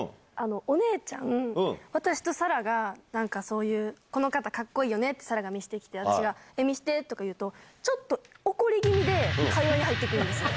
お姉ちゃん私と紗来が「この方カッコいいよね」って紗来が見して来て私が見して！とか言うとちょっと怒り気味で会話に入って来るんですよ。